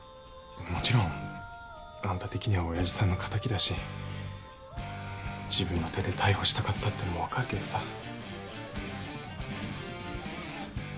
もちろんあんた的には親父さんの敵だし自分の手で逮捕したかったってのも分かるけどさ。